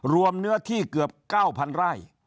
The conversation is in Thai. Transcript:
เนื้อที่เกือบ๙๐๐ไร่